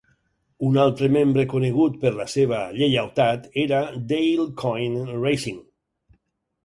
Un altre membre conegut per la seva lleialtat era Dale Coyne Racing.